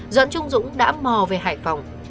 doãn trung dũng đã mò về hải phòng